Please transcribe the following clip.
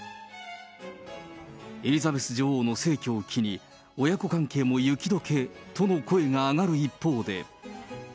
エリザベス女王の逝去を機に親子関係も雪どけとの声が上がる一方で。